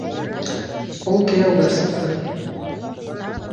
Ул кейәүгә сыҡты.